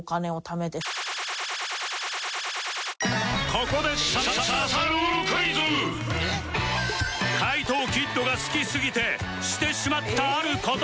ここで怪盗キッドが好きすぎてしてしまったある事とは？